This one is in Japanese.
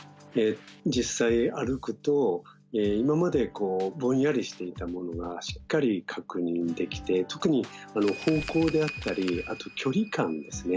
実際歩くと今までこうぼんやりしていたものがしっかり確認できて特に方向であったりあと距離感ですね。